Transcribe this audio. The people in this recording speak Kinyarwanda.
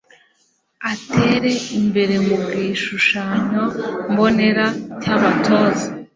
atere imbere mu gishushanyo mbonera cy'abatoza